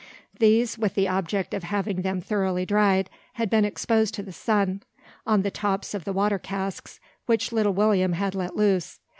These, with the object of having them thoroughly dried, had been exposed to the sun, on the tops of the water casks which little William had let loose.